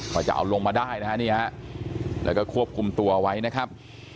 ก็จะเอาลงมาได้นะฮะนี่ฮะแล้วก็ควบคุมตัวไว้นะครับ